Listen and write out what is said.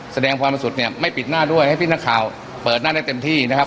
แสดงความบริสุทธิ์เนี่ยไม่ปิดหน้าด้วยให้พี่นักข่าวเปิดหน้าได้เต็มที่นะครับ